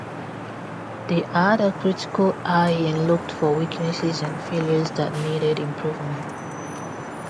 They had a critical eye and looked for weaknesses and failures that needed improvement.